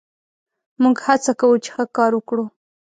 موږ هڅه کوو، چې ښه کار وکړو.